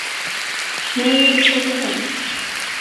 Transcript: Nej, du ska gå hem.